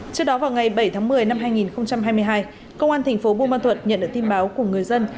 trước đó vào ngày bảy tháng một mươi năm hai nghìn hai mươi hai công an thành phố bùa măn thuật nhận được tin báo của người dân